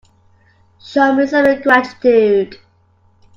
Show me some gratitude.